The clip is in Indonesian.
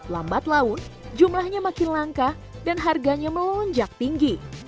lambat laun jumlahnya makin langka dan harganya melonjak tinggi